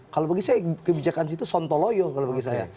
kalau bagi saya kebijakan itu sontoloyo kalau bagi saya